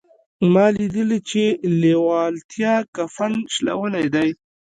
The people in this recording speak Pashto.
ما ليدلي چې لېوالتیا کفن شلولی دی.